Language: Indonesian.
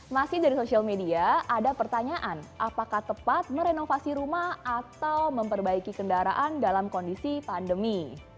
masih dari sosial media ada pertanyaan apakah tepat merenovasi rumah atau memperbaiki kendaraan dalam kondisi pandemi